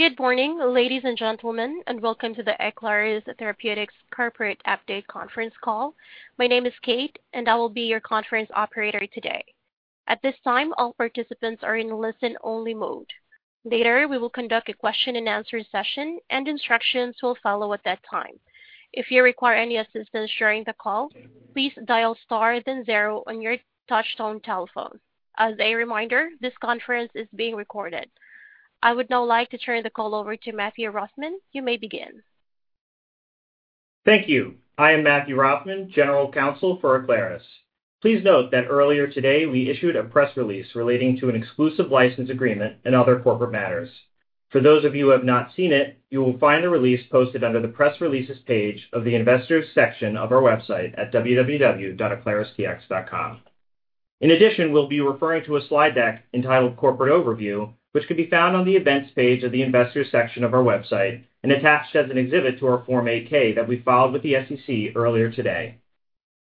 Good morning, ladies and gentlemen, and welcome to the Aclaris Therapeutics Corporate Update Conference Call. My name is Kate, and I will be your conference operator today. At this time, all participants are in listen-only mode. Later, we will conduct a question-and-answer session, and instructions will follow at that time. If you require any assistance during the call, please dial star then zero on your touch-tone telephone. As a reminder, this conference is being recorded. I would now like to turn the call over to Matthew Rossman. You may begin. Thank you. I am Matthew Rossman, Chief Legal Officer and Corporate Secretary for Aclaris. Please note that earlier today we issued a press release relating to an exclusive license agreement and other corporate matters. For those of you who have not seen it, you will find the release posted under the press releases page of the investors' section of our website at www.aclaristx.com. In addition, we'll be referring to a slide deck entitled Corporate Overview, which can be found on the events page of the investors' section of our website and attached as an exhibit to our Form 8-K that we filed with the SEC earlier today.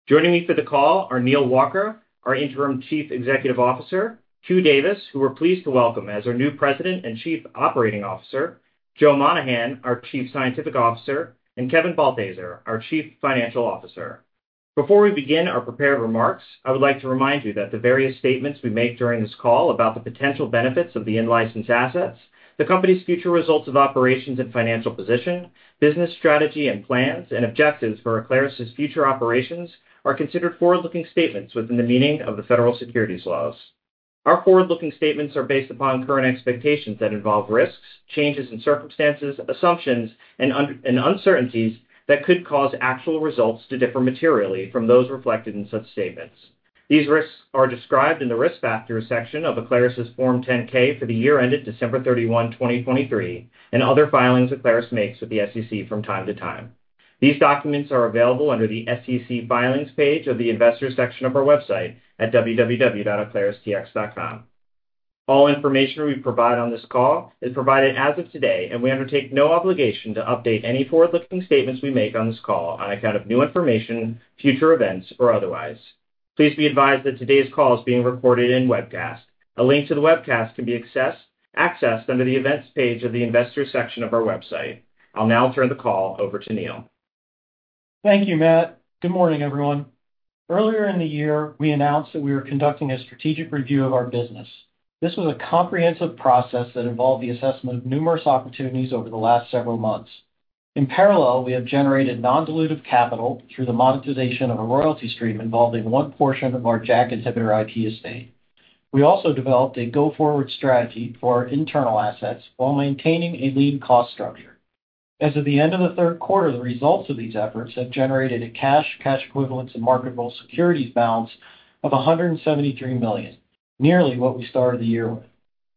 Joining me for the call are Neal Walker, our Interim Chief Executive Officer, Hugh Davis, who we're pleased to welcome as our new President and Chief Operating Officer, Joe Monahan, our Chief Scientific Officer, and Kevin Balthaser, our Chief Financial Officer. Before we begin our prepared remarks, I would like to remind you that the various statements we make during this call about the potential benefits of the in-licensed assets, the company's future results of operations and financial position, business strategy and plans, and objectives for Aclaris' future operations are considered forward-looking statements within the meaning of the federal securities laws. Our forward-looking statements are based upon current expectations that involve risks, changes in circumstances, assumptions, and uncertainties that could cause actual results to differ materially from those reflected in such statements. These risks are described in the risk factors section of Aclaris' Form 10-K for the year ended December 31, 2023, and other filings Aclaris makes with the SEC from time to time. These documents are available under the SEC filings page of the investors' section of our website at www.aclaristx.com. All information we provide on this call is provided as of today, and we undertake no obligation to update any forward-looking statements we make on this call on account of new information, future events, or otherwise. Please be advised that today's call is being recorded in webcast. A link to the webcast can be accessed under the events page of the investors' section of our website. I'll now turn the call over to Neal. Thank you, Matt. Good morning, everyone. Earlier in the year, we announced that we were conducting a strategic review of our business. This was a comprehensive process that involved the assessment of numerous opportunities over the last several months. In parallel, we have generated non-dilutive capital through the monetization of a royalty stream involving one portion of our JAK inhibitor IP estate. We also developed a go-forward strategy for our internal assets while maintaining a lean cost structure. As of the end of the third quarter, the results of these efforts have generated a cash, cash equivalents, and marketable securities balance of $173 million, nearly what we started the year with,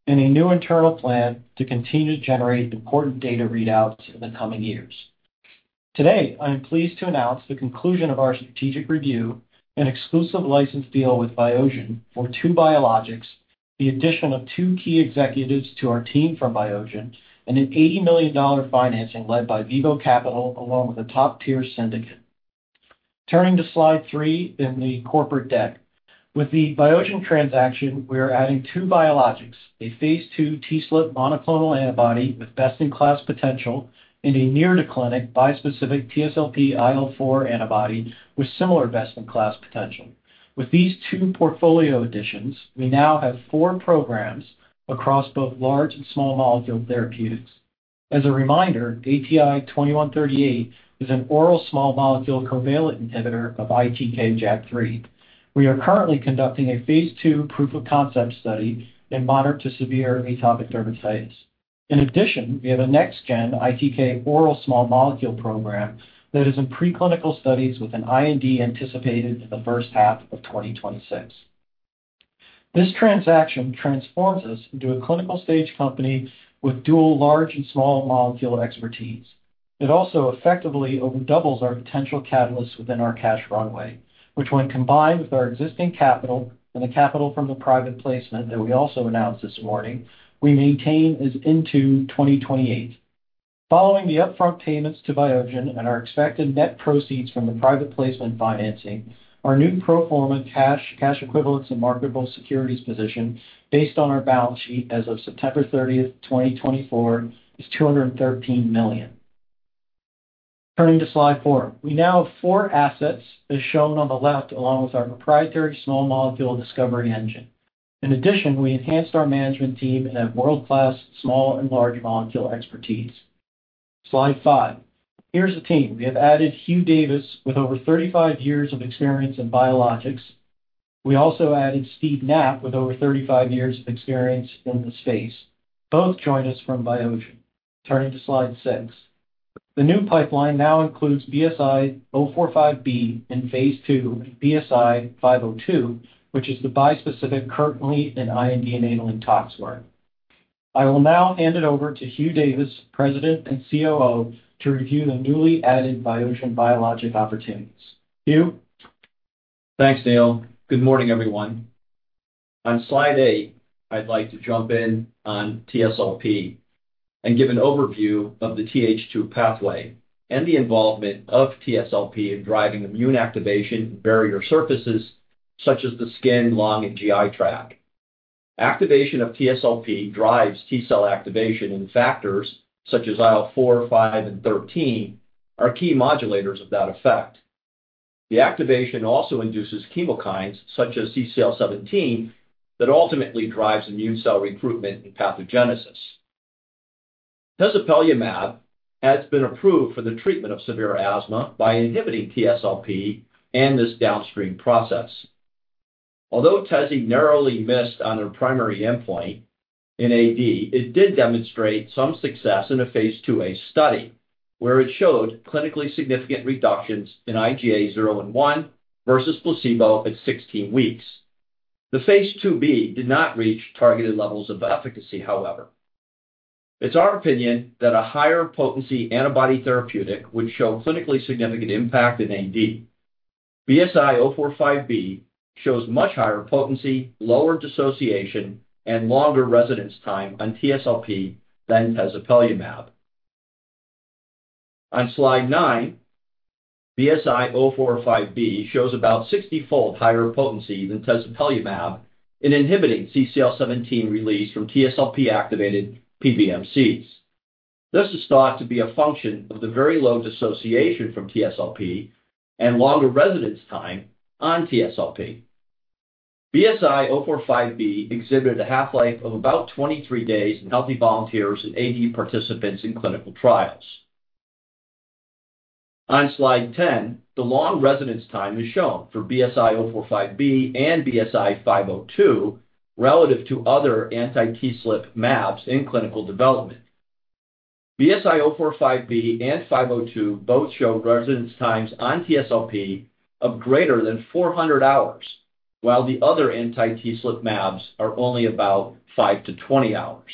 and a new internal plan to continue to generate important data readouts in the coming years. Today, I am pleased to announce the conclusion of our strategic review, an exclusive license deal with Biogen for two biologics, the addition of two key executives to our team from Biogen, and an $80 million financing led by Vivo Capital along with a top-tier syndicate. Turning to slide three in the corporate deck, with the Biogen transaction, we are adding two biologics, a phase II TSLP monoclonal antibody with best-in-class potential and a near-to-clinic bispecific TSLP IL-4 antibody with similar best-in-class potential. With these two portfolio additions, we now have four programs across both large and small molecule therapeutics. As a reminder, ATI-2138 is an oral small molecule covalent inhibitor of ITK JAK3. We are currently conducting a phase II proof-of-concept study in moderate to severe atopic dermatitis. In addition, we have a next-gen ITK oral small molecule program that is in preclinical studies with an IND anticipated in the first half of 2026. This transaction transforms us into a clinical-stage company with dual large and small molecule expertise. It also effectively overdoubles our potential catalysts within our cash runway, which, when combined with our existing capital and the capital from the private placement that we also announced this morning, we maintain is into 2028. Following the upfront payments to Biogen and our expected net proceeds from the private placement financing, our new pro forma cash, cash equivalents, and marketable securities position based on our balance sheet as of September 30, 2024, is $213 million. Turning to slide four, we now have four assets as shown on the left along with our proprietary small molecule discovery engine. In addition, we enhanced our management team and have world-class small and large molecule expertise. Slide five. Here's the team. We have added Hugh Davis with over 35 years of experience in biologics. We also added Steve Knapp with over 35 years of experience in the space. Both joined us from Biogen. Turning to slide six. The new pipeline now includes BSI-045B in phase II and BSI-502, which is the bispecific, currently, and IND-enabling tox work. I will now hand it over to Hugh Davis, President and COO, to review the newly added Biogen biologic opportunities. Hugh? Thanks, Neal. Good morning, everyone. On slide eight, I'd like to jump in on TSLP and give an overview of the Th2 pathway and the involvement of TSLP in driving immune activation in barrier surfaces such as the skin, lung, and GI tract. Activation of TSLP drives T-cell activation in factors such as IL-4, 5, and 13, our key modulators of that effect. The activation also induces chemokines such as CCL17 that ultimately drives immune cell recruitment and pathogenesis. Tezepelumab has been approved for the treatment of severe asthma by inhibiting TSLP and this downstream process. Although Tezi narrowly missed on their primary endpoint in AD, it did demonstrate some success in a phase IIa study where it showed clinically significant reductions in IGA 0 and 1 versus placebo at 16 weeks. The phase IIb did not reach targeted levels of efficacy, however. It's our opinion that a higher potency antibody therapeutic would show clinically significant impact in AD. BSI-045B shows much higher potency, lower dissociation, and longer residence time on TSLP than Tezepelumab. On slide nine, BSI-045B shows about 60-fold higher potency than Tezepelumab in inhibiting CCL-17 release from TSLP-activated PBMCs. This is thought to be a function of the very low dissociation from TSLP and longer residence time on TSLP. BSI-045B exhibited a half-life of about 23 days in healthy volunteers and AD participants in clinical trials. On slide 10, the long residence time is shown for BSI-045B and BSI-502 relative to other anti-TSLP mAbs in clinical development. BSI-045B and 502 both show residence times on TSLP of greater than 400 hours, while the other anti-TSLP mAbs are only about 5 to 20 hours.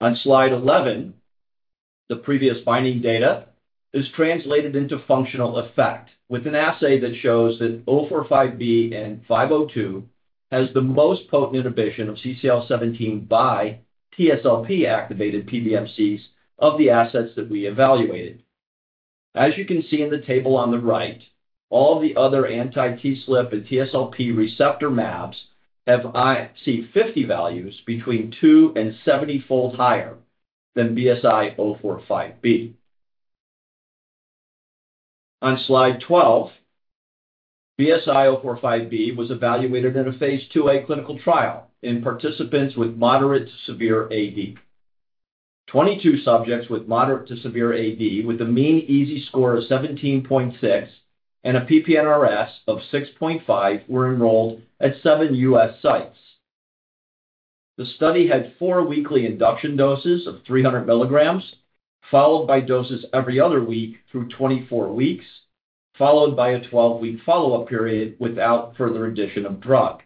On slide 11, the previous finding data is translated into functional effect with an assay that shows that BSI-045B and BSI-502 has the most potent inhibition of CCL17 by TSLP-activated PBMCs of the assets that we evaluated. As you can see in the table on the right, all the other anti-TSLP and TSLP receptor mAbs have IC50 values between 2- and 70-fold higher than BSI-045B. On slide 12, BSI-045B was evaluated in a phase IIA clinical trial in participants with moderate to severe AD. Twenty-two subjects with moderate to severe AD with a mean EASI score of 17.6 and a PP-NRS of 6.5 were enrolled at seven U.S. sites. The study had four weekly induction doses of 300 milligrams, followed by doses every other week through 24 weeks, followed by a 12-week follow-up period without further addition of drug.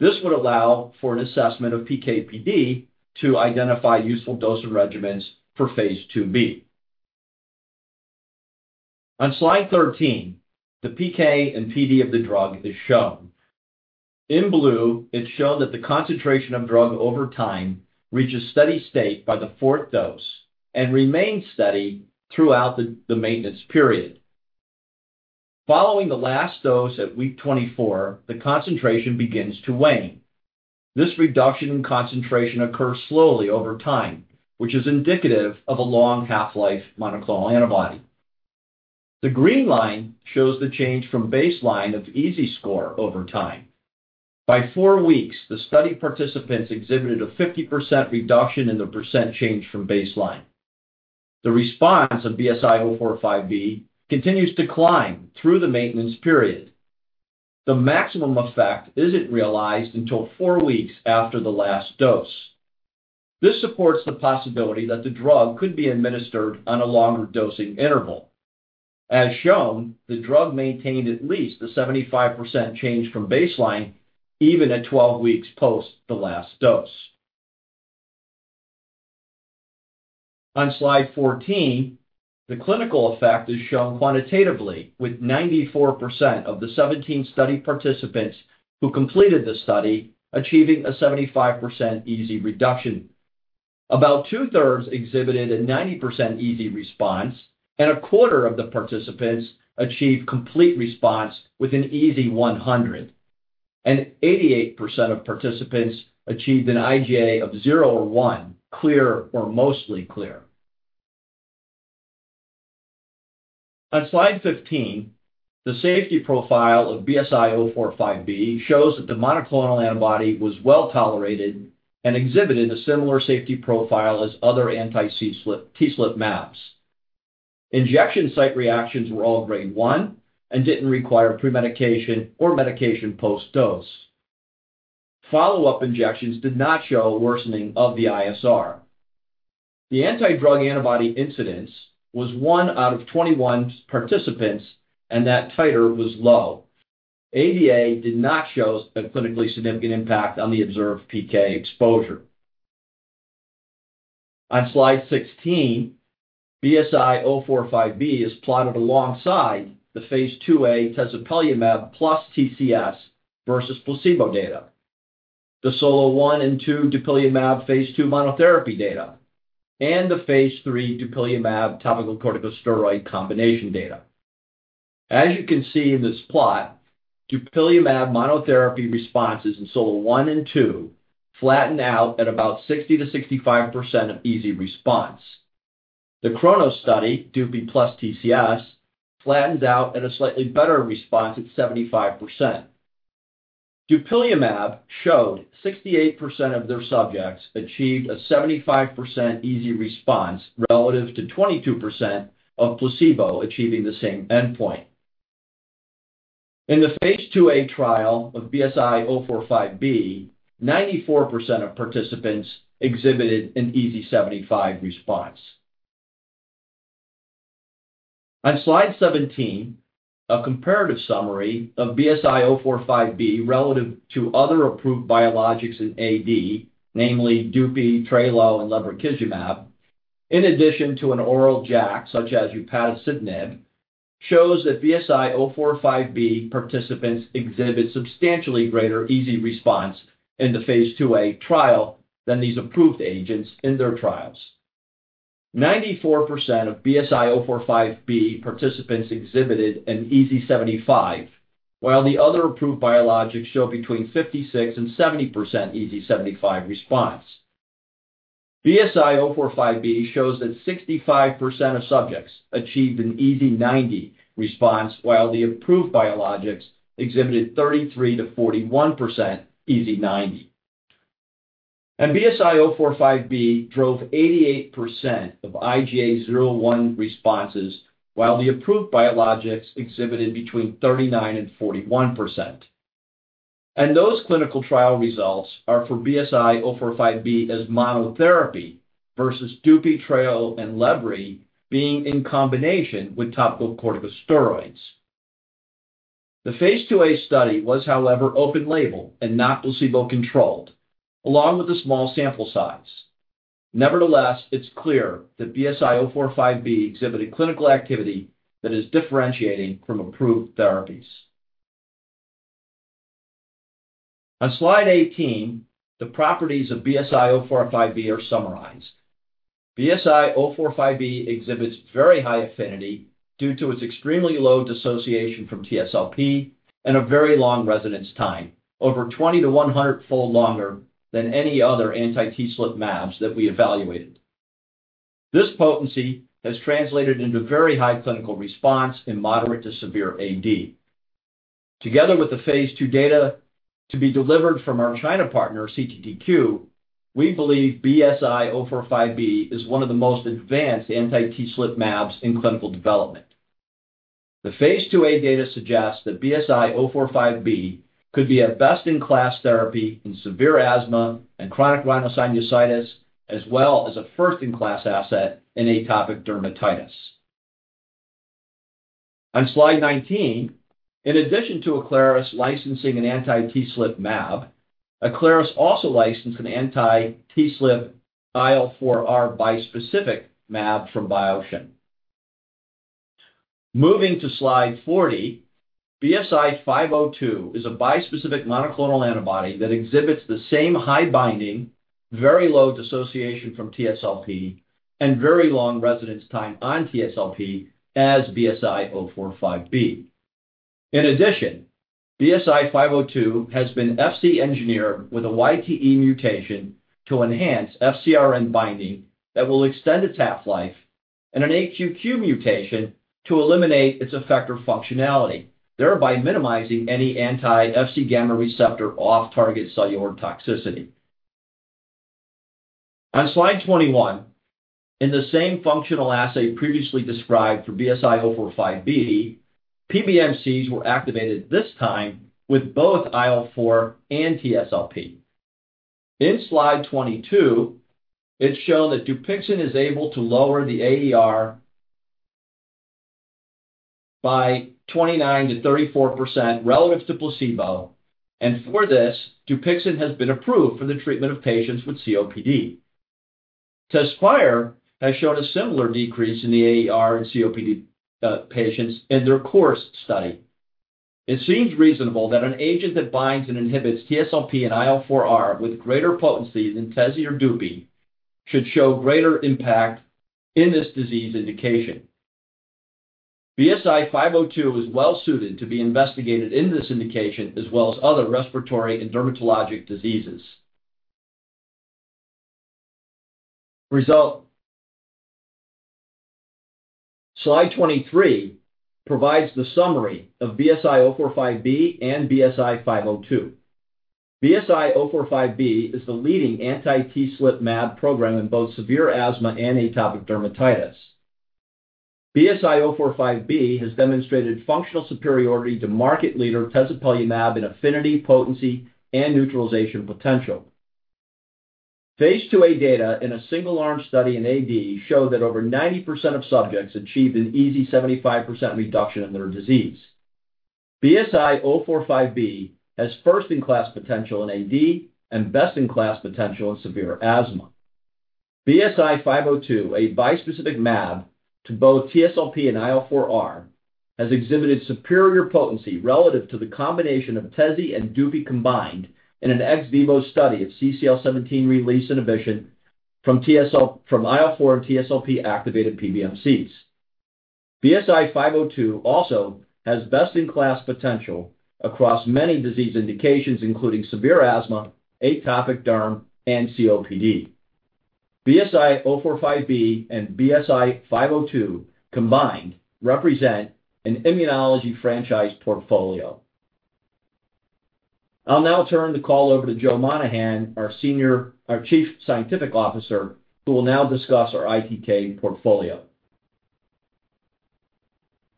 This would allow for an assessment of PK/PD to identify useful dose regimens for phase IIB. On slide 13, the PK and PD of the drug is shown. In blue, it's shown that the concentration of drug over time reaches steady state by the fourth dose and remains steady throughout the maintenance period. Following the last dose at week 24, the concentration begins to wane. This reduction in concentration occurs slowly over time, which is indicative of a long half-life monoclonal antibody. The green line shows the change from baseline of EASI score over time. By four weeks, the study participants exhibited a 50% reduction in the percent change from baseline. The response of BSI-045B continues to climb through the maintenance period. The maximum effect isn't realized until four weeks after the last dose. This supports the possibility that the drug could be administered on a longer dosing interval. As shown, the drug maintained at least a 75% change from baseline even at 12 weeks post the last dose. On slide 14, the clinical effect is shown quantitatively with 94% of the 17 study participants who completed the study achieving a 75% EASI reduction. About two-thirds exhibited a 90% EASI response, and a quarter of the participants achieved complete response with an EASI 100, and 88% of participants achieved an IGA of 0 or 1, clear or mostly clear. On slide 15, the safety profile of BSI-045B shows that the monoclonal antibody was well tolerated and exhibited a similar safety profile as other anti-TSLP mAbs. Injection site reactions were all grade 1 and didn't require pre-medication or medication post-dose. Follow-up injections did not show a worsening of the ISR. The antidrug antibody incidence was one out of 21 participants, and that titer was low. ADA did not show a clinically significant impact on the observed PK exposure. On slide 16, BSI-045B is plotted alongside the phase IIa Tezepelumab plus TCS versus placebo data, the SOLO I and II dupilumab phase II monotherapy data, and the phase III dupilumab topical corticosteroid combination data. As you can see in this plot, dupilumab monotherapy responses in SOLO I and II flatten out at about 60%-65% of EASI response. The Kronos study, dupi plus TCS, flattens out at a slightly better response at 75%. Dupilumab showed 68% of their subjects achieved a 75% EASI response relative to 22% of placebo achieving the same endpoint. In the phase IIa trial of BSI-045B, 94% of participants exhibited an EASI-75 response. On slide 17, a comparative summary of BSI-045B relative to other approved biologics in AD, namely dupi, Trelo, and lebrikizumab, in addition to an oral JAK such as upadacitinib, shows that BSI-045B participants exhibit substantially greater EASI response in the phase IIA trial than these approved agents in their trials. 94% of BSI-045B participants exhibited an EASI-75, while the other approved biologics show between 56% and 70% EASI-75 response. BSI-045B shows that 65% of subjects achieved an EASI-90 response, while the approved biologics exhibited 33%-41% EASI-90. And BSI-045B drove 88% of IGA 0/1 responses, while the approved biologics exhibited between 39% and 41%. And those clinical trial results are for BSI-045B as monotherapy versus dupi, Trelo, and lebrikizumab being in combination with topical corticosteroids. The phase IIA study was, however, open label and not placebo-controlled, along with a small sample size. Nevertheless, it's clear that BSI-045B exhibited clinical activity that is differentiating from approved therapies. On slide 18, the properties of BSI-045B are summarized. BSI-045B exhibits very high affinity due to its extremely low dissociation from TSLP and a very long residence time, over 20- to 100-fold longer than any other anti-TSLP mAbs that we evaluated. This potency has translated into very high clinical response in moderate-to-severe AD. Together with the phase II data to be delivered from our China partner, CTTQ, we believe BSI-045B is one of the most advanced anti-TSLP mAbs in clinical development. The phase IIa data suggests that BSI-045B could be a best-in-class therapy in severe asthma and chronic rhinosinusitis, as well as a first-in-class asset in atopic dermatitis. On slide 19, in addition to Aclaris licensing an anti-TSLP mAb, Aclaris also licensed an anti-TSLP IL4R bispecific mAb from Biogen. Moving to slide 40, BSI-502 is a bispecific monoclonal antibody that exhibits the same high binding, very low dissociation from TSLP, and very long residence time on TSLP as BSI-045B. In addition, BSI-502 has been Fc engineered with a YTE mutation to enhance FCRN binding that will extend its half-life and an AQQ mutation to eliminate its effector functionality, thereby minimizing any anti-Fc gamma receptor off-target cellular toxicity. On slide 21, in the same functional assay previously described for BSI-045B, PBMCs were activated this time with both IL-4 and TSLP. In slide 22, it's shown that Dupixent is able to lower the AER by 29%-34% relative to placebo, and for this, Dupixent has been approved for the treatment of patients with COPD. Tezepelumab has shown a similar decrease in the AER in COPD patients in their course study. It seems reasonable that an agent that binds and inhibits TSLP and IL4R with greater potency than Tezspire or Dupixent should show greater impact in this disease indication. BSI-502 is well-suited to be investigated in this indication as well as other respiratory and dermatologic diseases. Slide 23 provides the summary of BSI-045B and BSI-502. BSI-045B is the leading anti-TSLP mAb program in both severe asthma and atopic dermatitis. BSI-045B has demonstrated functional superiority to market leader Tezspire in affinity, potency, and neutralization potential. Phase IIa data in a single-arm study in AD show that over 90% of subjects achieved an EASI 75% reduction in their disease. BSI-045B has first-in-class potential in AD and best-in-class potential in severe asthma. BSI-502, a bispecific mAb to both TSLP and IL-4R, has exhibited superior potency relative to the combination of Tezi and dupi combined in an ex vivo study of CCL17 release inhibition from IL-4 and TSLP-activated PBMCs. BSI-502 also has best-in-class potential across many disease indications, including severe asthma, atopic derm, and COPD. BSI-045B and BSI-502 combined represent an immunology franchise portfolio. I'll now turn the call over to Joe Monahan, our senior chief scientific officer, who will now discuss our ITK portfolio.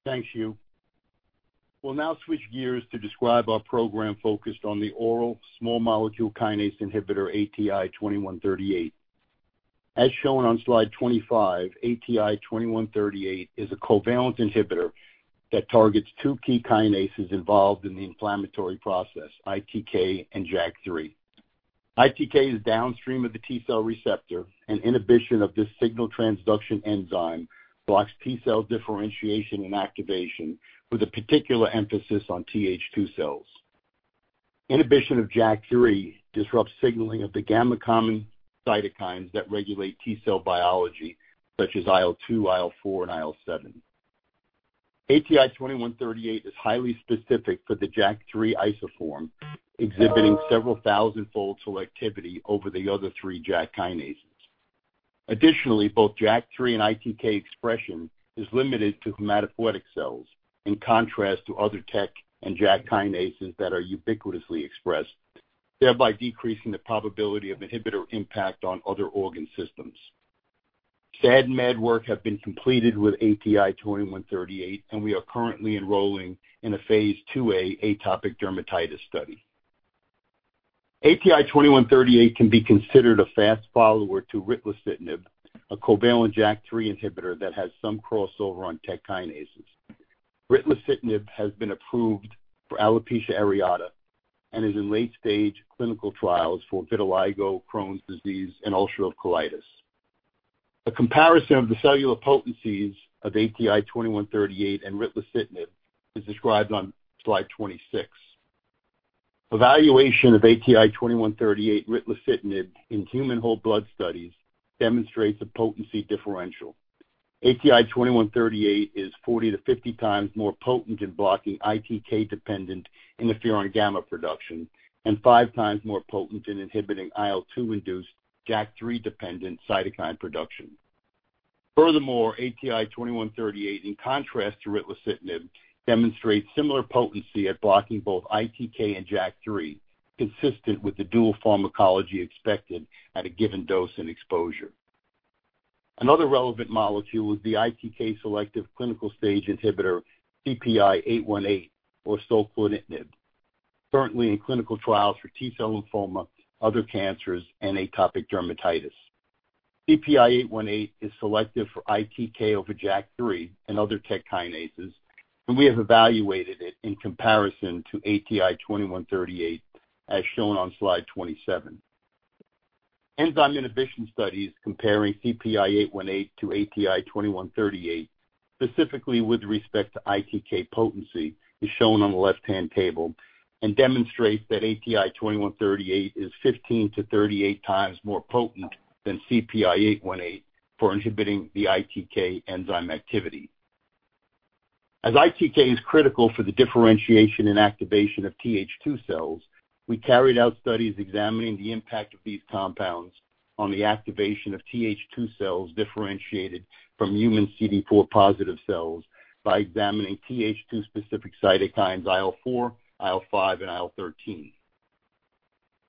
Thanks, Hugh. We'll now switch gears to describe our program focused on the oral small molecule kinase inhibitor ATI-2138. As shown on slide 25, ATI-2138 is a covalent inhibitor that targets two key kinases involved in the inflammatory process, ITK and JAK3. ITK is downstream of the T-cell receptor, and inhibition of this signal transduction enzyme blocks T-cell differentiation and activation, with a particular emphasis on Th2 cells. Inhibition of JAK3 disrupts signaling of the gamma common cytokines that regulate T-cell biology, such as IL2, IL4, and IL7. ATI-2138 is highly specific for the JAK3 isoform, exhibiting several thousand-fold selectivity over the other three JAK kinases. Additionally, both JAK3 and ITK expression is limited to hematopoietic cells in contrast to other TEK and JAK kinases that are ubiquitously expressed, thereby decreasing the probability of inhibitor impact on other organ systems. SAD and MAD work have been completed with ATI-2138, and we are currently enrolling in a phase IIA atopic dermatitis study. ATI-2138 can be considered a fast follower to ritlecitinib, a covalent JAK3 inhibitor that has some crossover on TEK kinases. Ritlecitinib has been approved for alopecia areata and is in late-stage clinical trials for vitiligo, Crohn's disease, and ulcerative colitis. A comparison of the cellular potencies of ATI-2138 and ritlecitinib is described on slide 26. Evaluation of ATI-2138 and ritlecitinib in human whole blood studies demonstrates a potency differential. ATI-2138 is 40-50 times more potent in blocking ITK-dependent interferon gamma production and five times more potent in inhibiting IL2-induced JAK3-dependent cytokine production. Furthermore, ATI-2138, in contrast to ritlecitinib, demonstrates similar potency at blocking both ITK and JAK3, consistent with the dual pharmacology expected at a given dose and exposure. Another relevant molecule is the ITK-selective clinical stage inhibitor CPI-818, or soquelitinib, currently in clinical trials for T-cell lymphoma, other cancers, and atopic dermatitis. CPI-818 is selective for ITK over JAK3 and other TEK kinases, and we have evaluated it in comparison to ATI-2138, as shown on slide 27. Enzyme inhibition studies comparing CPI-818 to ATI-2138, specifically with respect to ITK potency, is shown on the left-hand table and demonstrates that ATI-2138 is 15-38 times more potent than CPI-818 for inhibiting the ITK enzyme activity. As ITK is critical for the differentiation and activation of Th2 cells, we carried out studies examining the impact of these compounds on the activation of Th2 cells differentiated from human CD4-positive cells by examining Th2-specific cytokines IL4, IL5, and IL13.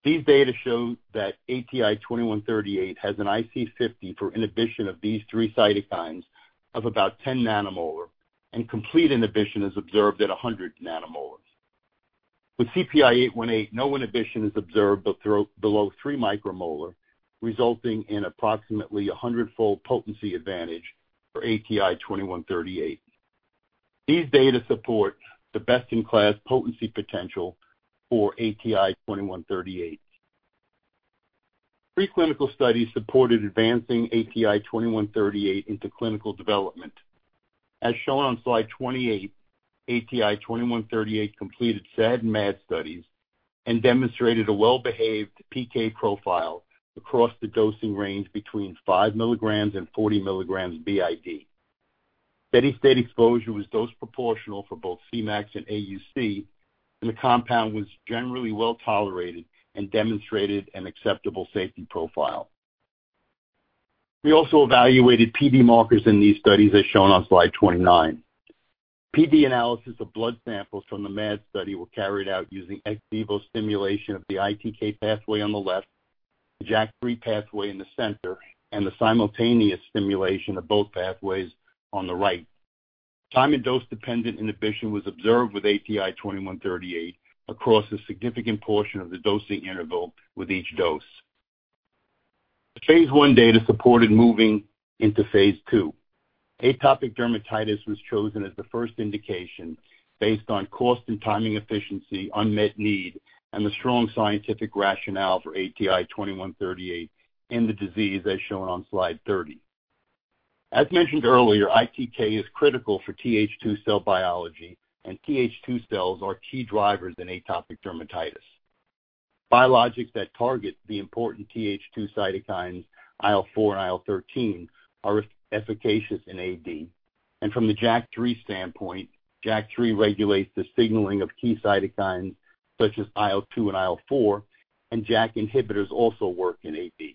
These data show that ATI-2138 has an IC50 for inhibition of these three cytokines of about 10 nanomolar, and complete inhibition is observed at 100 nanomolar. With CPI-818, no inhibition is observed but below 3 micromolar, resulting in approximately a 100-fold potency advantage for ATI-2138. These data support the best-in-class potency potential for ATI-2138. Three clinical studies supported advancing ATI-2138 into clinical development. As shown on slide 28, ATI-2138 completed SAD and MAD studies and demonstrated a well-behaved PK profile across the dosing range between 5 mg and 40 mg b.i.d. Steady-state exposure was dose-proportional for both Cmax and AUC, and the compound was generally well tolerated and demonstrated an acceptable safety profile. We also evaluated PD markers in these studies, as shown on slide 29. PD analysis of blood samples from the MAD study was carried out using ex vivo stimulation of the ITK pathway on the left, the JAK3 pathway in the center, and the simultaneous stimulation of both pathways on the right. Time and dose-dependent inhibition was observed with ATI-2138 across a significant portion of the dosing interval with each dose. Phase I data supported moving into phase II. Atopic dermatitis was chosen as the first indication based on cost and timing efficiency, unmet need, and the strong scientific rationale for ATI-2138 in the disease, as shown on slide 30. As mentioned earlier, ITK is critical for Th2 cell biology, and Th2 cells are key drivers in atopic dermatitis. Biologics that target the important Th2 cytokines IL4 and IL13 are efficacious in AD, and from the JAK3 standpoint, JAK3 regulates the signaling of key cytokines such as IL2 and IL4, and JAK inhibitors also work in AD.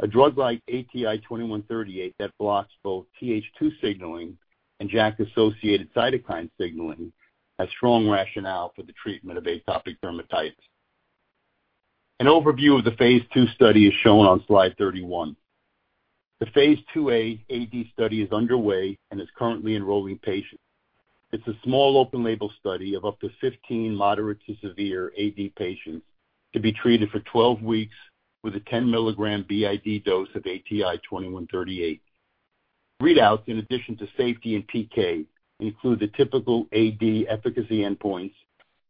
A drug like ATI-2138 that blocks both Th2 signaling and JAK-associated cytokine signaling has strong rationale for the treatment of atopic dermatitis. An overview of the phase II study is shown on slide 31. The phase IIA AD study is underway and is currently enrolling patients. It's a small open-label study of up to 15 moderate-to-severe AD patients to be treated for 12 weeks with a 10-milligram b.i.d. dose of ATI-2138. Readouts, in addition to safety and PK, include the typical AD efficacy endpoints,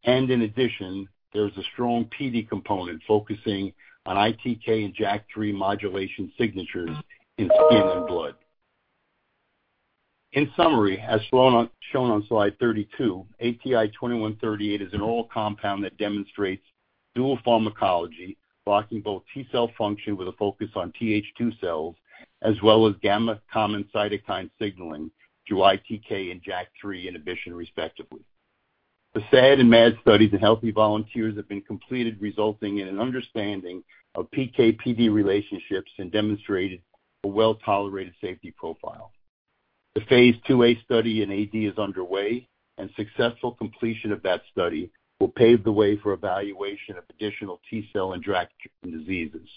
and in addition, there is a strong PD component focusing on ITK and JAK3 modulation signatures in skin and blood. In summary, as shown on slide 32, ATI-2138 is an oral compound that demonstrates dual pharmacology blocking both T-cell function with a focus on Th2 cells as well as gamma common cytokine signaling through ITK and JAK3 inhibition, respectively. The SAD and MAD studies in healthy volunteers have been completed, resulting in an understanding of PK/PD relationships and demonstrated a well-tolerated safety profile. The phase IIA study in AD is underway, and successful completion of that study will pave the way for evaluation of additional T-cell and JAK2 diseases.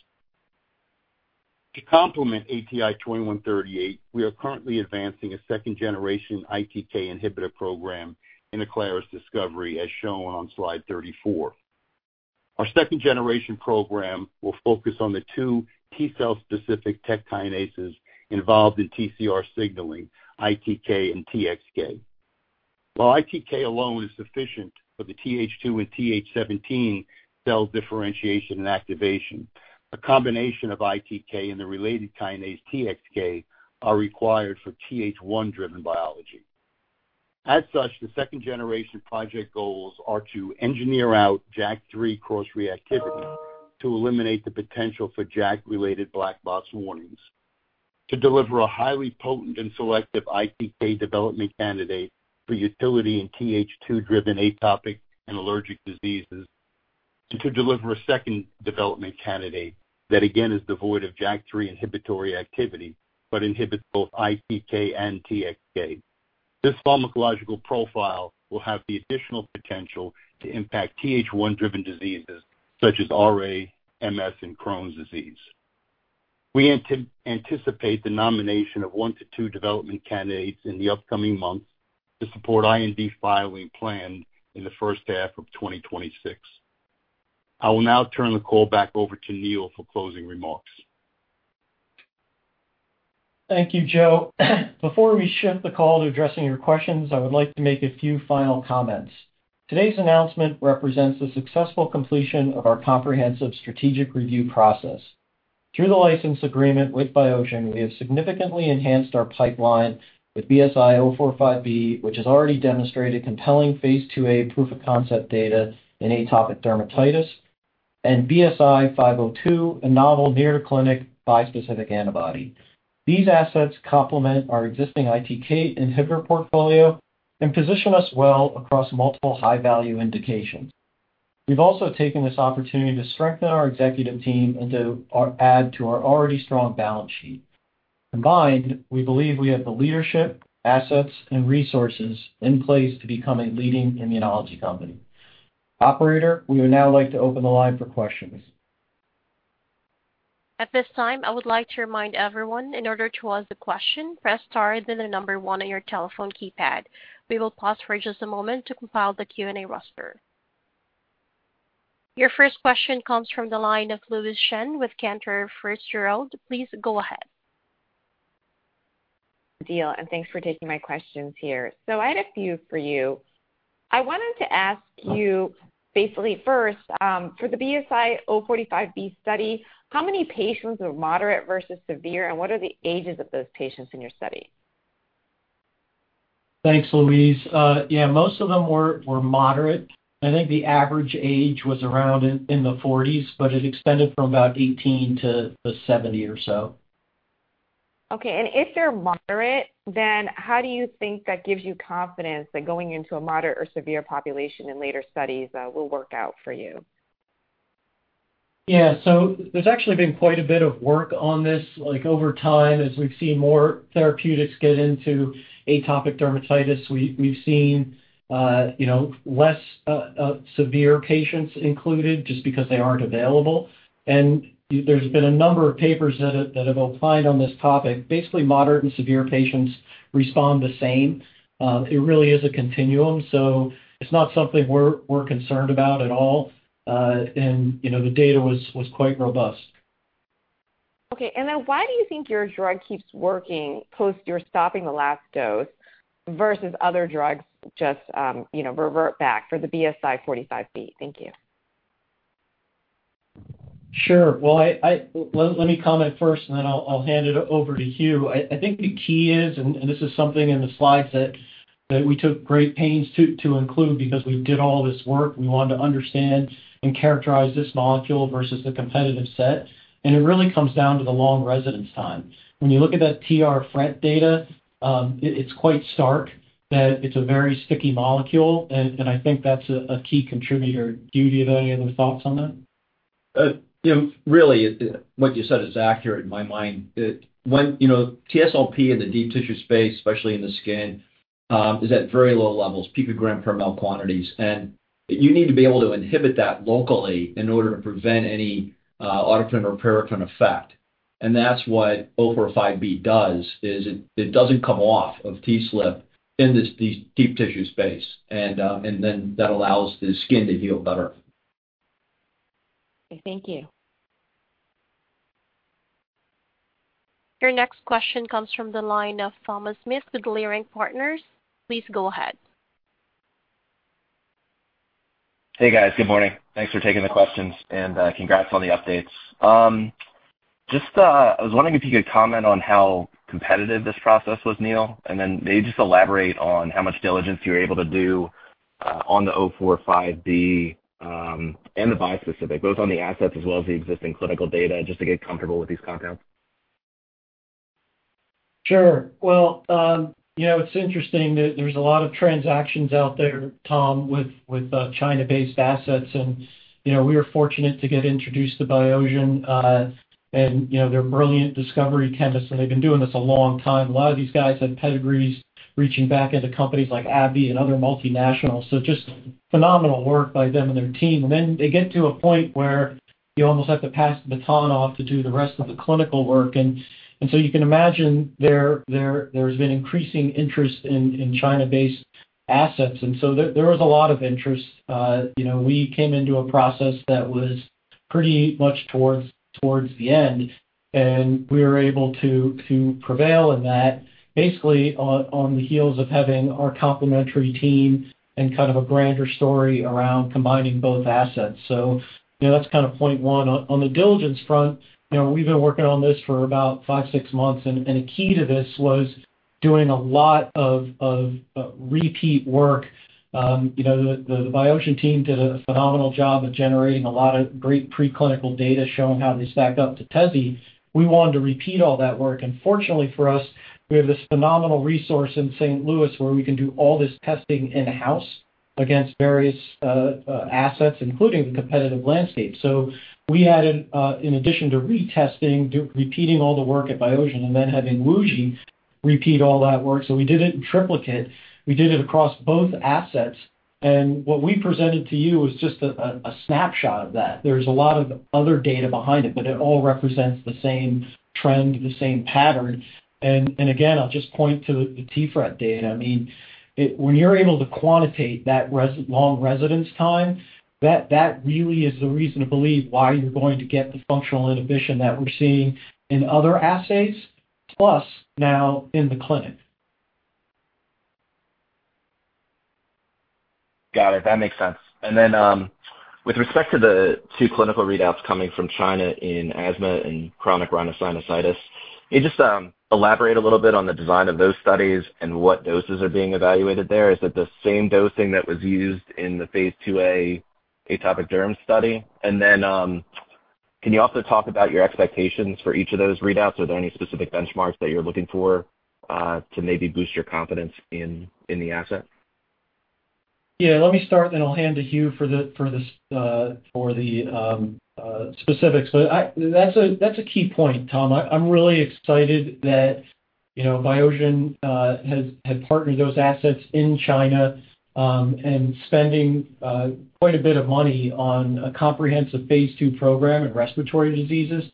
To complement ATI-2138, we are currently advancing a second-generation ITK inhibitor program in Aclaris discovery, as shown on slide 34. Our second-generation program will focus on the two T-cell-specific TEK kinases involved in TCR signaling, ITK and TXK. While ITK alone is sufficient for the Th2 and Th17 cell differentiation and activation, a combination of ITK and the related kinase TXK are required for Th1-driven biology. As such, the second-generation project goals are to engineer out JAK3 cross-reactivity to eliminate the potential for JAK-related black box warnings, to deliver a highly potent and selective ITK development candidate for utility in Th2-driven atopic and allergic diseases, and to deliver a second development candidate that, again, is devoid of JAK3 inhibitory activity but inhibits both ITK and TXK. This pharmacological profile will have the additional potential to impact Th1-driven diseases such as RA, MS, and Crohn's disease. We anticipate the nomination of one to two development candidates in the upcoming months to support IND filing planned in the first half of 2026. I will now turn the call back over to Neal for closing remarks. Thank you, Joe. Before we shift the call to addressing your questions, I would like to make a few final comments. Today's announcement represents the successful completion of our comprehensive strategic review process. Through the license agreement with Biogen, we have significantly enhanced our pipeline with BSI-045B, which has already demonstrated compelling phase IIA proof-of-concept data in atopic dermatitis, and BSI-502, a novel near-to-clinic bispecific antibody. These assets complement our existing ITK inhibitor portfolio and position us well across multiple high-value indications. We've also taken this opportunity to strengthen our executive team and to add to our already strong balance sheet. Combined, we believe we have the leadership, assets, and resources in place to become a leading immunology company. Operator, we would now like to open the line for questions. At this time, I would like to remind everyone, in order to ask the question, press star and then the number one on your telephone keypad. We will pause for just a moment to compile the Q&A roster. Your first question comes from the line of Louise Chen with Cantor Fitzgerald. Please go ahead. Deal, and thanks for taking my questions here. So I had a few for you. I wanted to ask you, basically, first, for the BSI-045B study, how many patients were moderate versus severe, and what are the ages of those patients in your study? Thanks, Louise. Yeah, most of them were moderate. I think the average age was around in the 40s, but it extended from about 18 to 70 or so. Okay. And if they're moderate, then how do you think that gives you confidence that going into a moderate or severe population in later studies will work out for you? Yeah. So there's actually been quite a bit of work on this. Over time, as we've seen more therapeutics get into atopic dermatitis, we've seen less severe patients included just because they aren't available. And there's been a number of papers that have opined on this topic. Basically, moderate and severe patients respond the same. It really is a continuum, so it's not something we're concerned about at all, and the data was quite robust. Okay. Then why do you think your drug keeps working post your stopping the last dose versus other drugs just revert back for the BSI-045B? Thank you. Sure. Well, let me comment first, and then I'll hand it over to Hugh. I think the key is, and this is something in the slides that we took great pains to include because we did all this work. We wanted to understand and characterize this molecule versus the competitive set, and it really comes down to the long residence time. When you look at that TR-FRET data, it's quite stark that it's a very sticky molecule, and I think that's a key contributor. Do you have any other thoughts on that? Really, what you said is accurate in my mind. TSLP in the deep tissue space, especially in the skin, is at very low levels, picogram per ml quantities, and you need to be able to inhibit that locally in order to prevent any autocrine or paracrine effect. That's what 045B does, is it doesn't come off of TSLP in this deep tissue space, and then that allows the skin to heal better. Thank you. Your next question comes from the line of Thomas Smith with Leerink Partners. Please go ahead. Hey, guys. Good morning. Thanks for taking the questions, and congrats on the updates. Just I was wondering if you could comment on how competitive this process was, Neal, and then maybe just elaborate on how much diligence you were able to do on the 045B and the bispecific, both on the assets as well as the existing clinical data, just to get comfortable with these compounds. Sure. It's interesting that there's a lot of transactions out there, Tom, with China-based assets, and we were fortunate to get introduced to Biogen, and they're brilliant discovery chemists, and they've been doing this a long time. A lot of these guys have pedigrees reaching back into companies like AbbVie and other multinationals, so just phenomenal work by them and their team. Then they get to a point where you almost have to pass the baton off to do the rest of the clinical work. You can imagine there's been increasing interest in China-based assets, and so there was a lot of interest. We came into a process that was pretty much towards the end, and we were able to prevail in that, basically on the heels of having our complementary team and kind of a grander story around combining both assets. So that's kind of point one. On the diligence front, we've been working on this for about five, six months, and a key to this was doing a lot of repeat work. The Biogen team did a phenomenal job of generating a lot of great preclinical data showing how they stack up to Tezspire. We wanted to repeat all that work, and fortunately for us, we have this phenomenal resource in St. Louis where we can do all this testing in-house against various assets, including the competitive landscape. So we added, in addition to retesting, repeating all the work at Biogen and then having WuXi AppTec repeat all that work, so we did it in triplicate. We did it across both assets, and what we presented to you was just a snapshot of that. There's a lot of other data behind it, but it all represents the same trend, the same pattern. And again, I'll just point to the TR-FRET data. I mean, when you're able to quantitate that long residence time, that really is the reason to believe why you're going to get the functional inhibition that we're seeing in other assets, plus now in the clinic. Got it. That makes sense. And then with respect to the two clinical readouts coming from China in asthma and chronic rhinosinusitis, can you just elaborate a little bit on the design of those studies and what doses are being evaluated there? Is it the same dosing that was used in the phase IIa atopic derm study? And then can you also talk about your expectations for each of those readouts? Are there any specific benchmarks that you're looking for to maybe boost your confidence in the asset? Yeah. Let me start, and I'll hand to Hugh for the specifics. But that's a key point, Tom. I'm really excited that Biogen had partnered those assets in China and spending quite a bit of money on a comprehensive phase II program in respiratory diseases.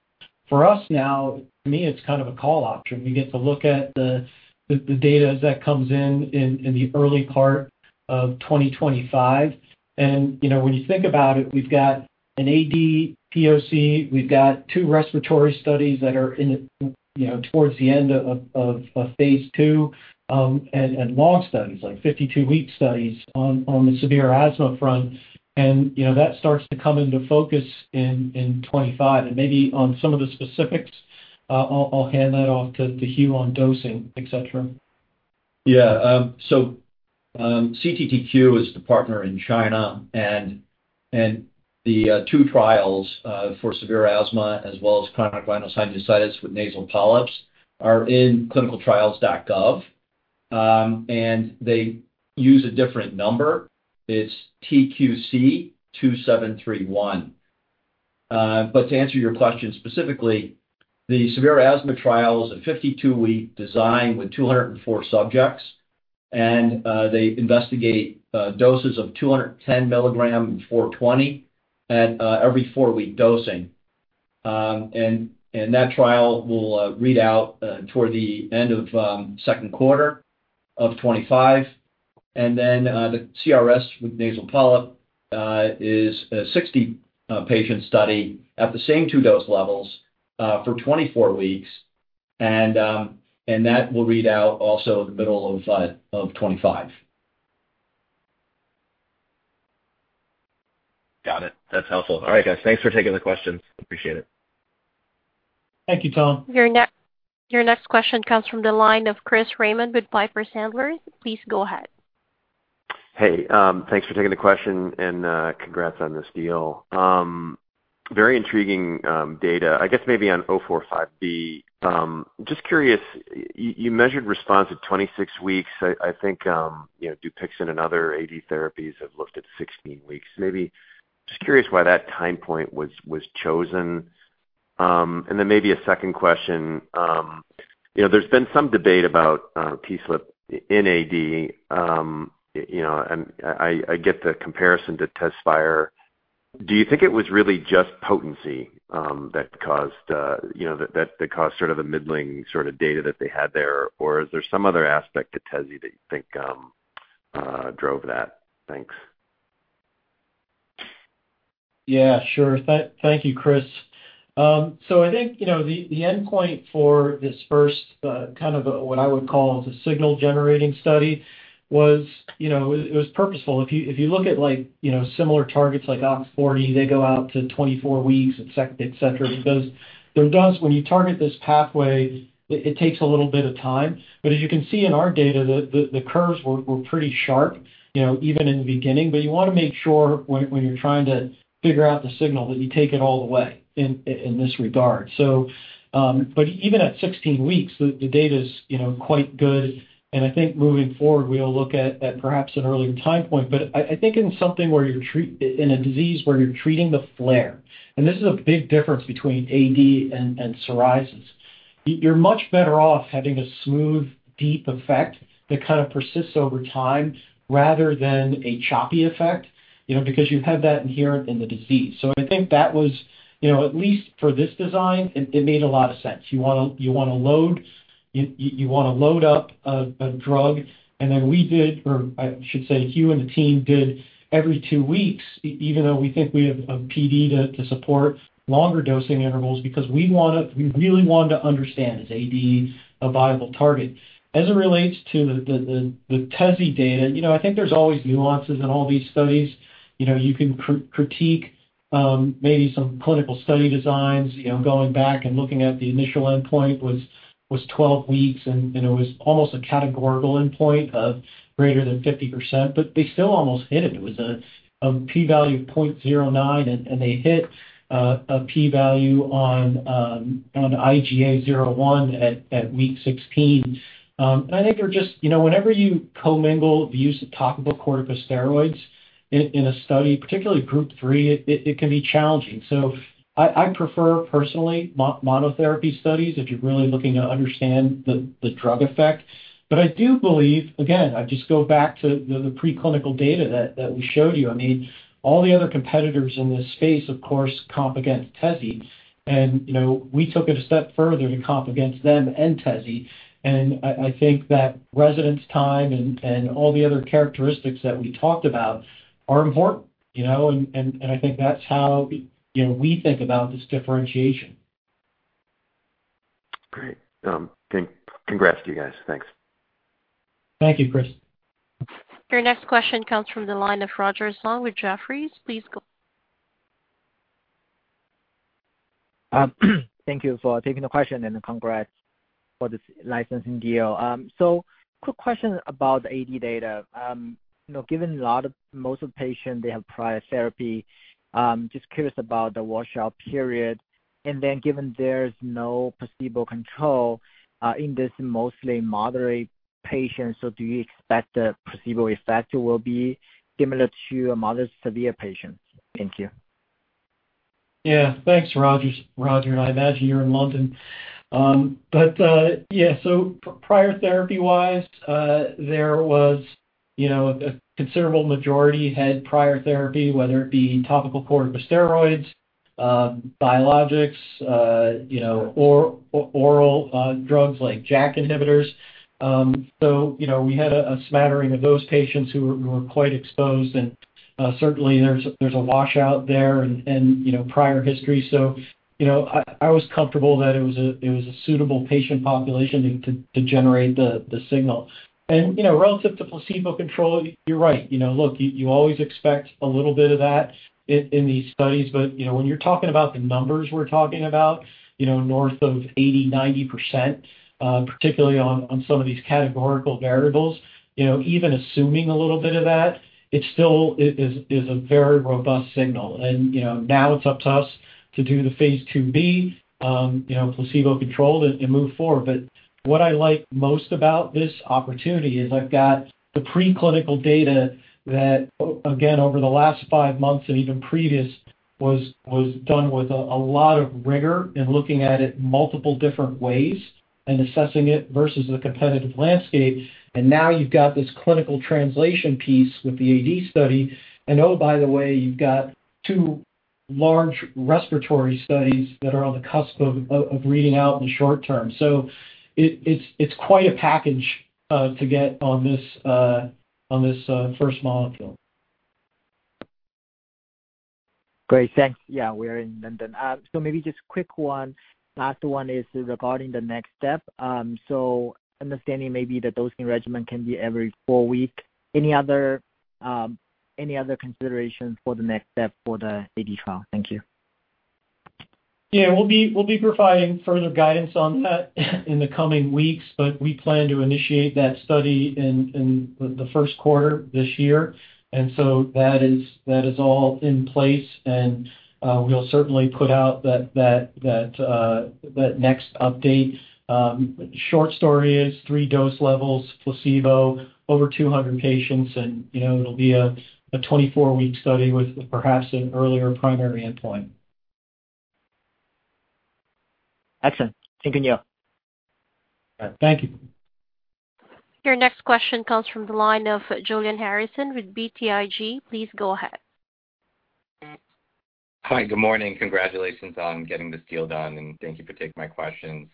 For us now, to me, it's kind of a call option. We get to look at the data as that comes in in the early part of 2025. And when you think about it, we've got an AD POC, we've got two respiratory studies that are towards the end of phase II, and long studies, like 52-week studies on the severe asthma front, and that starts to come into focus in 2025. And maybe on some of the specifics, I'll hand that off to Hugh on dosing, etc. Yeah. So CTTQ is the partner in China, and the two trials for severe asthma as well as chronic rhinosinusitis with nasal polyps are in ClinicalTrials.gov, and they use a different number. It's TQC2731. But to answer your question specifically, the severe asthma trial is a 52-week design with 204 subjects, and they investigate doses of 210 mg and 420 mg at every four-week dosing. And that trial will read out toward the end of second quarter of 2025. And then the CRS with nasal polyp is a 60-patient study at the same two-dose levels for 24 weeks, and that will read out also the middle of 2025. Got it. That's helpful. All right, guys. Thanks for taking the questions. Appreciate it. Thank you, Tom. Your next question comes from the line of Chris Raymond with Piper Sandler. Please go ahead. Hey. Thanks for taking the question, and congrats on this deal. Very intriguing data. I guess maybe on BSI-045B, just curious, you measured response at 26 weeks. I think Dupixent and other AD therapies have looked at 16 weeks. Maybe just curious why that time point was chosen. And then maybe a second question. There's been some debate about TSLP in AD, and I get the comparison to Tezspire. Do you think it was really just potency that caused sort of the middling sort of data that they had there, or is there some other aspect to Tezspire that you think drove that? Thanks. Yeah. Sure. Thank you, Chris. So I think the endpoint for this first kind of what I would call the signal-generating study was it was purposeful. If you look at similar targets like OX40, they go out to 24 weeks, etc., because when you target this pathway, it takes a little bit of time. But as you can see in our data, the curves were pretty sharp even in the beginning, but you want to make sure when you're trying to figure out the signal that you take it all the way in this regard. But even at 16 weeks, the data is quite good, and I think moving forward, we'll look at perhaps an earlier time point. But I think in something where you're in a disease where you're treating the flare, and this is a big difference between AD and psoriasis, you're much better off having a smooth, deep effect that kind of persists over time rather than a choppy effect because you have that inherent in the disease. So I think that was, at least for this design, it made a lot of sense. You want to load up a drug, and then we did, or I should say Hugh and the team did every two weeks, even though we think we have PD to support longer dosing intervals because we really want to understand, is AD a viable target? As it relates to the Tezspire data, I think there's always nuances in all these studies. You can critique maybe some clinical study designs going back and looking at the initial endpoint was 12 weeks, and it was almost a categorical endpoint of greater than 50%, but they still almost hit it. It was a p-value of 0.09, and they hit a p-value on IGA 0/1 at week 16. I think they're just whenever you commingle the use of topical corticosteroids in a study, particularly group three, it can be challenging. So I prefer personally monotherapy studies if you're really looking to understand the drug effect. But I do believe, again, I just go back to the preclinical data that we showed you. I mean, all the other competitors in this space, of course, comp against TSLP, and we took it a step further to comp against them and TSLP, and I think that residence time and all the other characteristics that we talked about are important, and I think that's how we think about this differentiation. Great. Congrats to you guys. Thanks. Thank you, Chris. Your next question comes from the line of Roger Song with Jefferies. Please go ahead. Thank you for taking the question, and congrats for this licensing deal. So quick question about the AD data. Given most of the patients, they have prior therapy, just curious about the washout period, and then given there's no placebo control in this mostly moderate patient, so do you expect the placebo effect will be similar to a moderate-severe patient? Thank you. Yeah. Thanks, Roger. Roger, and I imagine you're in London. But yeah, so prior therapy-wise, there was a considerable majority had prior therapy, whether it be topical corticosteroids, biologics, or oral drugs like JAK inhibitors. So we had a smattering of those patients who were quite exposed, and certainly there's a washout there and prior history. So I was comfortable that it was a suitable patient population to generate the signal. And relative to placebo control, you're right. Look, you always expect a little bit of that in these studies, but when you're talking about the numbers we're talking about, north of 80%-90%, particularly on some of these categorical variables, even assuming a little bit of that, it still is a very robust signal. And now it's up to us to do the phase IIB placebo-controlled and move forward. But what I like most about this opportunity is I've got the preclinical data that, again, over the last five months and even previous was done with a lot of rigor in looking at it multiple different ways and assessing it versus the competitive landscape. And now you've got this clinical translation piece with the AD study, and oh, by the way, you've got two large respiratory studies that are on the cusp of reading out in the short term. So it's quite a package to get on this first molecule. Great. Thanks. Yeah. We are in London. So maybe just quick one. Last one is regarding the next step. So understanding maybe that dosing regimen can be every four weeks. Any other considerations for the next step for the AD trial? Thank you. Yeah. We'll be providing further guidance on that in the coming weeks, but we plan to initiate that study in the first quarter this year. And so that is all in place, and we'll certainly put out that next update. Short story is three dose levels, placebo, over 200 patients, and it'll be a 24-week study with perhaps an earlier primary endpoint. Excellent. Thank you, Neal. Thank you. Your next question comes from the line of Julian Harrison with BTIG. Please go ahead. Hi. Good morning. Congratulations on getting this deal done, and thank you for taking my questions.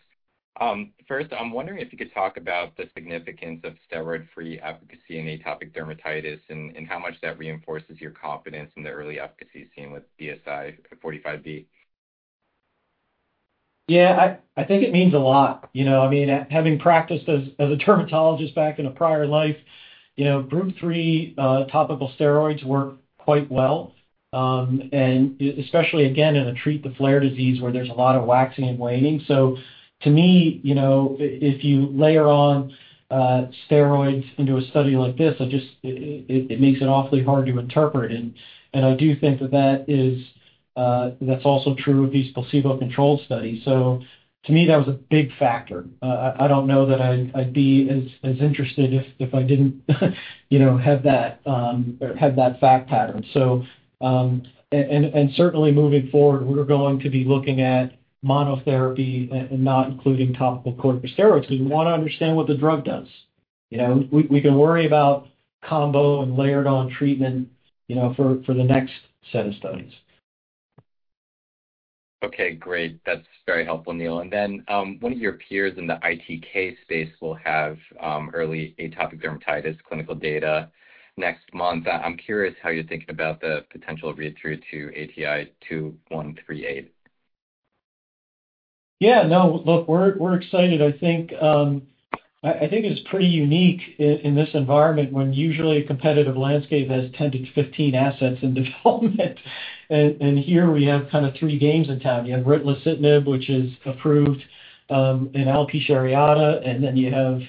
First, I'm wondering if you could talk about the significance of steroid-free efficacy in atopic dermatitis and how much that reinforces your confidence in the early efficacy seen with BSI-045B. Yeah. I think it means a lot. I mean, having practiced as a dermatologist back in a prior life, group three topical steroids work quite well, and especially, again, in a treat-the-flare disease where there's a lot of waxing and waning. So to me, if you layer on steroids into a study like this, it makes it awfully hard to interpret. And I do think that that's also true of these placebo-controlled studies. So to me, that was a big factor. I don't know that I'd be as interested if I didn't have that fact pattern. And certainly, moving forward, we're going to be looking at monotherapy and not including topical corticosteroids because we want to understand what the drug does. We can worry about combo and layered-on treatment for the next set of studies. Okay. Great. That's very helpful, Neal. And then one of your peers in the ITK space will have early atopic dermatitis clinical data next month. I'm curious how you're thinking about the potential read-through to ATI-2138. Yeah. No. Look, we're excited. I think it's pretty unique in this environment when usually a competitive landscape has 10 to 15 assets in development, and here we have kind of three games in town. You have ritlecitinib, which is approved in alopecia areata, and then you have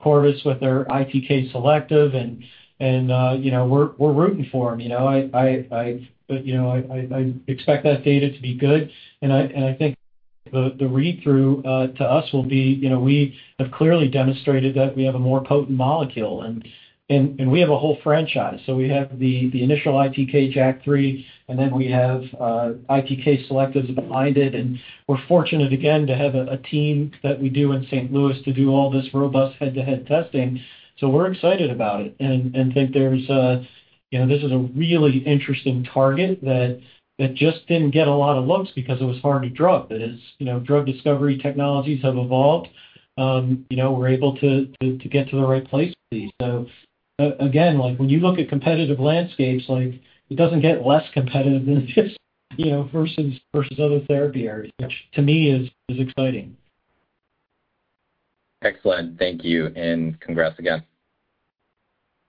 Corvus with their ITK selective, and we're rooting for them. But I expect that data to be good, and I think the read-through to us will be we have clearly demonstrated that we have a more potent molecule, and we have a whole franchise. So we have the initial ITK JAK3, and then we have ITK selectives behind it, and we're fortunate again to have a team that we do in St. Louis to do all this robust head-to-head testing. So we're excited about it and think this is a really interesting target that just didn't get a lot of looks because it was hard to drug. But as drug discovery technologies have evolved, we're able to get to the right place with these. So again, when you look at competitive landscapes, it doesn't get less competitive than this versus other therapy areas, which to me is exciting. Excellent. Thank you, and congrats again.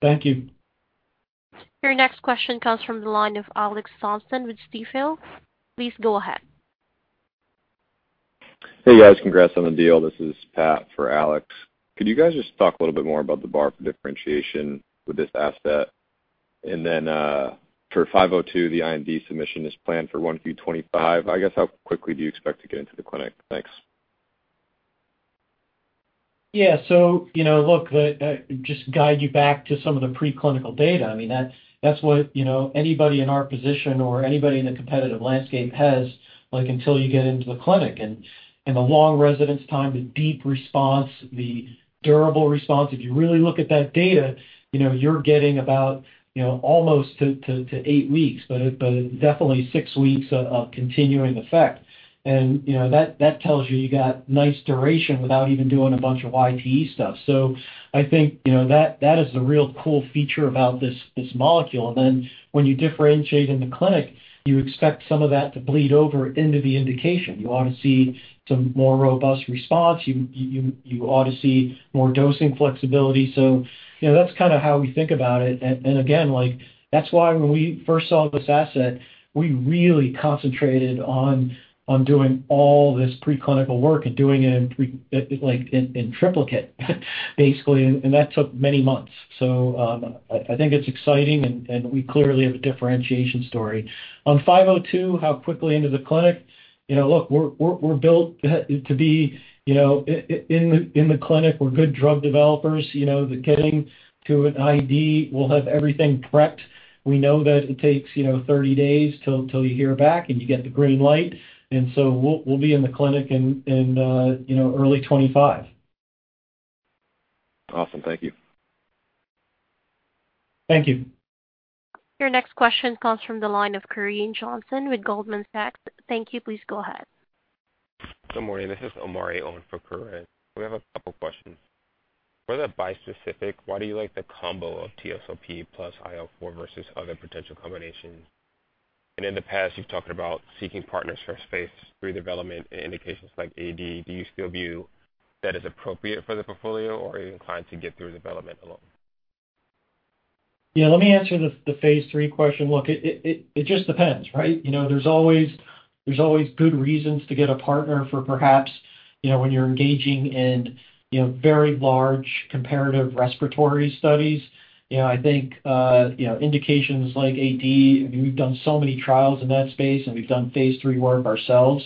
Thank you. Your next question comes from the line of Alex Thompson with Stifel. Please go ahead. Hey, guys. Congrats on the deal. This is Pat for Alex. Could you guys just talk a little bit more about the bar for differentiation with this asset? And then for 502, the IND submission is planned for 1Q25. I guess how quickly do you expect to get into the clinic? Thanks. Yeah. So look, just guide you back to some of the preclinical data. I mean, that's what anybody in our position or anybody in the competitive landscape has until you get into the clinic. And the long residence time, the deep response, the durable response, if you really look at that data, you're getting about almost to eight weeks, but definitely six weeks of continuing effect. And that tells you you got nice duration without even doing a bunch of YTE stuff. I think that is the really cool feature about this molecule. When you differentiate in the clinic, you expect some of that to bleed over into the indication. You ought to see some more robust response. You ought to see more dosing flexibility. That's kind of how we think about it. Again, that's why when we first saw this asset, we really concentrated on doing all this preclinical work and doing it in triplicate, basically, and that took many months. I think it's exciting, and we clearly have a differentiation story. On BSI-502, how quickly into the clinic? Look, we're built to be in the clinic. We're good drug developers. Getting to an IND, we'll have everything prepped. We know that it takes 30 days till you hear back and you get the green light. And so we'll be in the clinic in early 2025. Awesome. Thank you. Thank you. Your next question comes from the line of Corinne Jenkins with Goldman Sachs. Thank you. Please go ahead. Good morning. This is Omari Owen for Corinne. We have a couple of questions. For the bispecific, why do you like the combo of TSLP plus IL-4 versus other potential combinations? And in the past, you've talked about seeking partners for space through development and indications like AD. Do you still view that as appropriate for the portfolio or are you inclined to get through development alone? Yeah. Let me answer the phase three question. Look, it just depends, right? There's always good reasons to get a partner for perhaps when you're engaging in very large comparative respiratory studies. I think indications like AD, we've done so many trials in that space, and we've done phase three work ourselves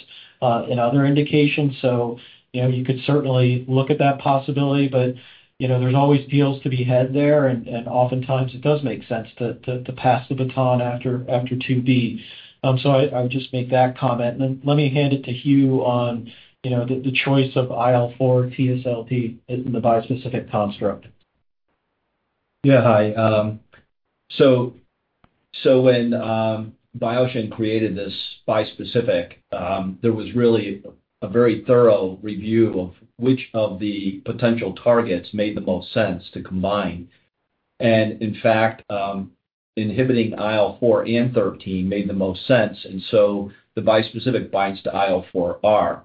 in other indications. So you could certainly look at that possibility, but there's always deals to be had there, and oftentimes it does make sense to pass the baton after 2B. So I would just make that comment, and then let me hand it to Hugh on the choice of IL-4 TSLP in the bispecific construct. Yeah. Hi. So when Biogen created this bispecific, there was really a very thorough review of which of the potential targets made the most sense to combine. And in fact, inhibiting IL-4 and 13 made the most sense. And so the bispecific binds to IL-4R,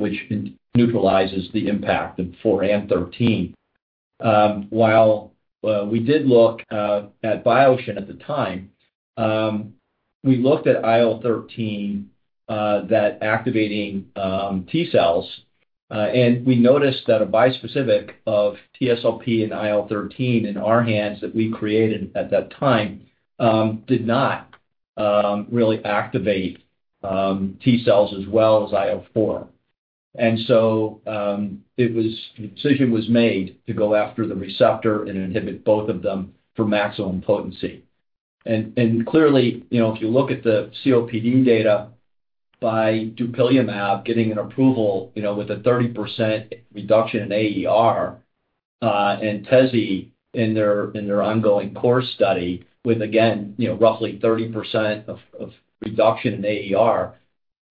which neutralizes the impact of 4 and 13. While we did look at Biogen at the time, we looked at IL-13 that activating T cells, and we noticed that a bispecific of TSLP and IL-13 in our hands that we created at that time did not really activate T cells as well as IL-4. And so the decision was made to go after the receptor and inhibit both of them for maximum potency. And clearly, if you look at the COPD data by dupilumab getting an approval with a 30% reduction in AER and Tezspire in their ongoing course study with, again, roughly 30% of reduction in AER,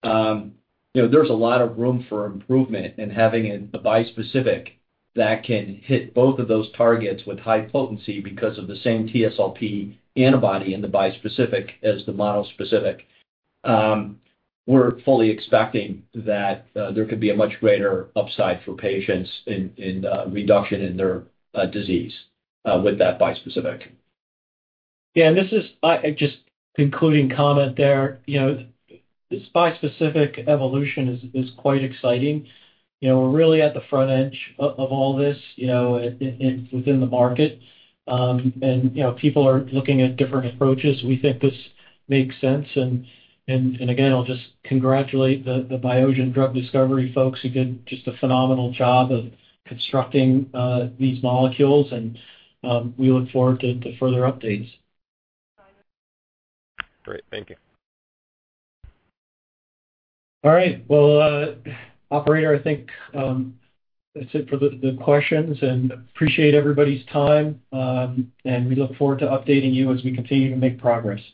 there's a lot of room for improvement in having a bispecific that can hit both of those targets with high potency because of the same TSLP antibody in the bispecific as the monospecific. We're fully expecting that there could be a much greater upside for patients in reduction in their disease with that bispecific. Yeah. And this is just concluding comment there. This bispecific evolution is quite exciting. We're really at the front edge of all this within the market, and people are looking at different approaches. We think this makes sense. And again, I'll just congratulate the Biogen drug discovery folks. You did just a phenomenal job of constructing these molecules, and we look forward to further updates. Great. Thank you. All right. Well, operator, I think that's it for the questions, and appreciate everybody's time. And we look forward to updating you as we continue to make progress.